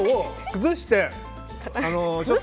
崩して。